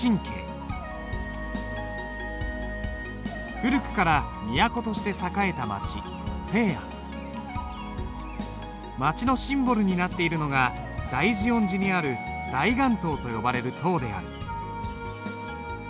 古くから都として栄えた街街のシンボルになっているのが大慈恩寺にある大雁塔と呼ばれる塔である。